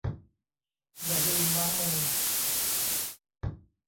อย่าลืมล้างมือ